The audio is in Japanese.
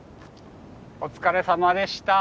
お疲れさまでした。